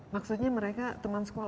maksudnya mereka teman sekolah